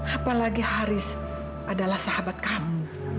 apalagi haris adalah sahabat kami